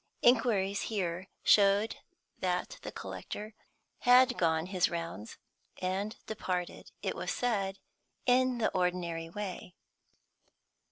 Inquiries here showed that the collector had gone his rounds, and departed, it was said, in the ordinary way.